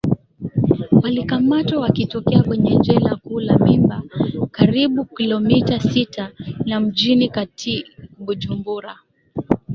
walikamatwa wakitokea kwenye jela kuu la mimba karibu kilomita sita na mjini kati bujumbura